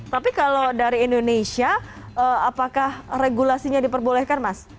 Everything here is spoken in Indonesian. tapi kalau dari indonesia apakah regulasinya diperbolehkan mas